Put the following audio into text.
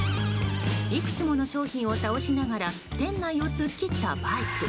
いくつもの商品を倒しながら店内を突っ切ったバイク。